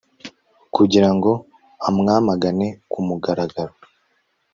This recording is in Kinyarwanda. kugira ngo amwamagane ku mugaragaro